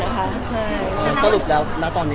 อย่างตอนนี้เรายังโอเคกับทางมุม